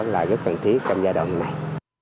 là rất cần thiết trong giai đoạn này